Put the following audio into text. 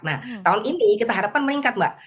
nah tahun ini kita harapkan meningkat mbak